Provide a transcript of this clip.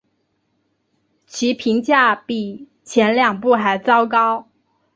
其评价比前两部还糟糕。